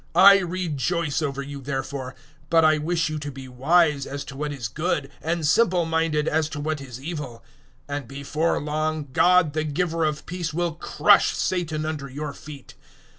I rejoice over you, therefore, but I wish you to be wise as to what is good, and simple minded as to what is evil. 016:020 And before long, God the giver of peace will crush Satan under your feet.